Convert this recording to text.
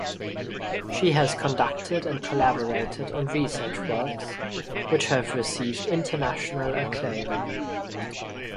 She has conducted and collaborated on research works which have received international acclaim.